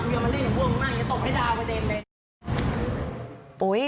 กูยังมาเล่นอย่างพวกมันมากอย่าตกไฟตาปลอดิมเลย